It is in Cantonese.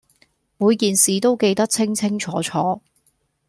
每件事都記得清清楚楚